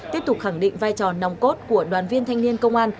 tiếp tục khẳng định vai trò nòng cốt của đoàn viên thanh niên công an